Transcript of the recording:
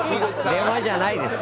電話じゃないです。